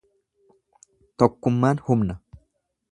Tokkummaan humna.